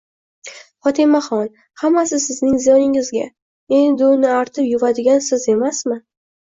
Fotimaxon, hammasi sizning ziyoningizga. Endi uni artib-yuvadigan siz emasmi?